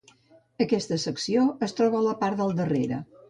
Aquesta secció es troba a la part del darrere.